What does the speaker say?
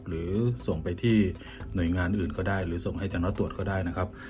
หรือส่งไปที่หน่วยงานอื่นก็ได้หรือส่งให้อาจารย์น้อยตรวจก็ได้นะครับ